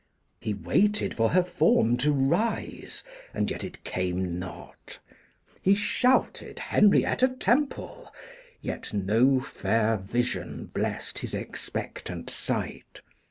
He waited for her form to rise, and yet it came not. He shouted Henrietta Temple, yet no fair vision blessed his expectant sight.